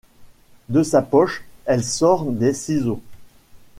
De sa poche, elle sort des ciseaux.